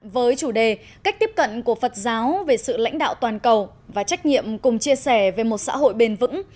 với chủ đề cách tiếp cận của phật giáo về sự lãnh đạo toàn cầu và trách nhiệm cùng chia sẻ về một xã hội bền vững